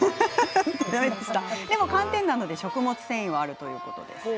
でも寒天なので食物繊維はあるということです。